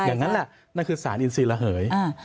อย่างนั้นแหละนั่นคือสารอินซีระเหย